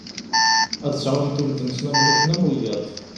Ad sɛun tunet-nsen am nutni am wiyaḍ.